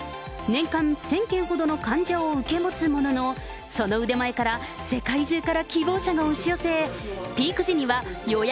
年間１０００件ほどの患者を受け持つものの、その腕前から、世界中から希望者が押し寄せ、ピーク時には予約